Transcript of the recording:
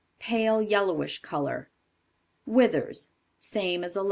Pale yellowish color. Withers. Same as 11.